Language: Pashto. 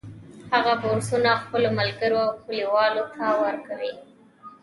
هغه بورسونه خپلو ملګرو او کلیوالو ته ورکوي